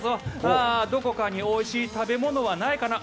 ああ、どこかにおいしい食べ物はないかな？